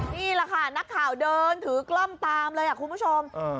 นี่แหละค่ะนักข่าวเดินถือกล้องตามเลยคุณผู้ชม